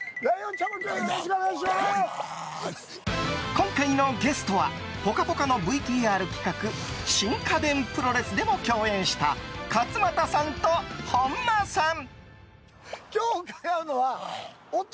今回のゲストは「ぽかぽか」のＶＴＲ企画新家電プロレスでも共演した勝俣さんと本間さん。